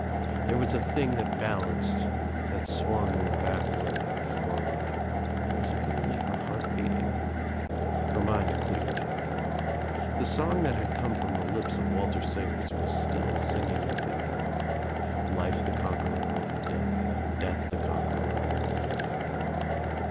There was a thing that bal* anced, that swung backward and forward. Was it merely her heart beating? Her mind cleared. The song that had come from the lips of Walter Sayers was still singing within her — Life the conqueror over death, Death the conqueror over life.